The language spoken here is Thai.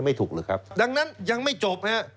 ไม่ถูกหรือครับดังนั้นยังไม่จบนะครับ